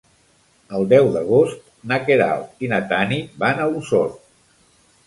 El deu d'agost na Queralt i na Tanit van a Osor.